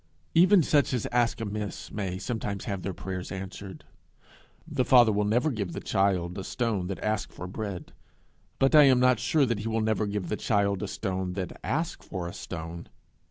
Even such as ask amiss may sometimes have their prayers answered. The Father will never give the child a stone that asks for bread; but I am not sure that he will never give the child a stone that asks for a stone.